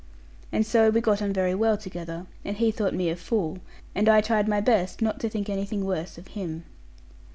And so we got on very well together; and he thought me a fool; and I tried my best not to think anything worse of him.